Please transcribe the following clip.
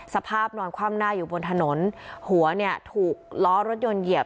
สภาพนอนคว่ำหน้าอยู่บนถนนหัวเนี่ยถูกล้อรถยนต์เหยียบ